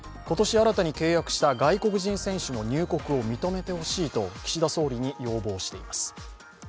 今年新たに契約した外国人選手の入国を認めてほしいと岸田総理に要望しています。